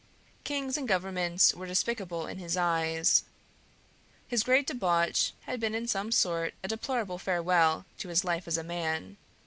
Kings and Governments were despicable in his eyes. His great debauch had been in some sort a deplorable farewell to his life as a man.